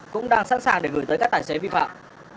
cũng đang sẵn sàng để gửi tới các tài xế vi phạm